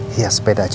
hias sepeda aja ya